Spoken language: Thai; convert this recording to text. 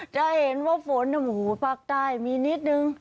จะเห็นว่าฝนภาคใต้มีนิดนึง